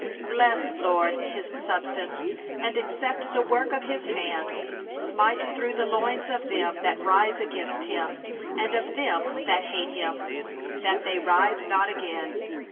33 11Bless, LORD, his substance, And accept the work of his hands; Smite through the loins of them that rise up against him, And of them that hate him, that they rise not again.